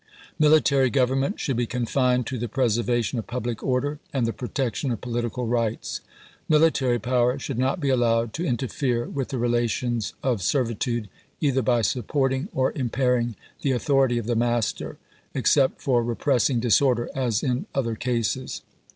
Military government should be confined to the preservation of public order and the protection of political rights. Military power should not be allowed to interfere with the relations of servitude, either by supporting or impairing the authority of the master, except for repressing disorder, as in other cases.